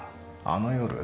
あの夜？